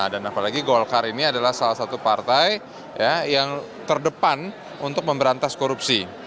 dan apalagi golkar ini adalah salah satu partai yang terdepan untuk memberantas korupsi